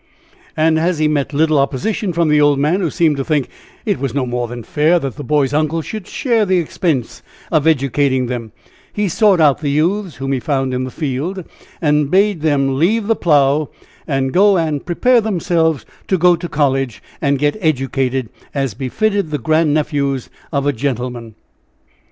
And as he met little opposition from the old man, who seemed to think that it was no more than fair that the boys' uncle should share the expense of educating them, he sought out the youths, whom he found in the field, and bade them leave the plough, and go and prepare themselves to go to C and get educated, as befitted the grandnephews of a gentleman!